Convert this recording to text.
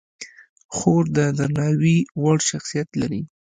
خور د درناوي وړ شخصیت لري.